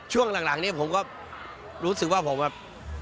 ช่วงหลังนี้ผมก็รู้สึกว่าผมแบบ